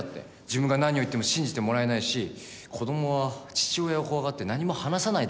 自分が何を言っても信じてもらえないし子供は父親を怖がって何も話さないだろうって。